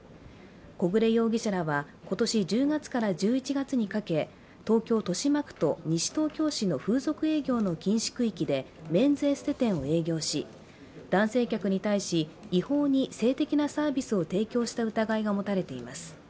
小暮容疑者らは今年１０月から１１月にかけ東京・豊島区と西東京市の風俗営業の禁止区域でメンズエステ店を営業し男性客に対し違法に性的なサービスを提供した疑いが持たれています。